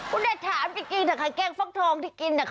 กูได้ถามจริงซะค่ะแกงฟักทองที่กินน่ะค่ะ